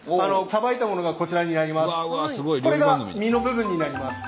さばいたものがこちらになります。